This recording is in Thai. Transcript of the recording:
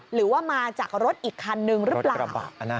หรือว่ามาจากรถอีกคันนึงหรือเปล่า